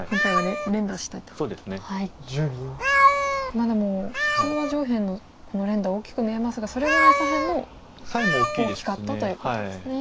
まあでも普通は上辺のこの連打大きく見えますがそれぐらい左辺も大きかったということですね。